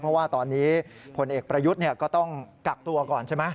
เพราะว่าตอนนี้ผลเอกประยุทธ์ก็ต้องกักตัวก่อนใช่ไหม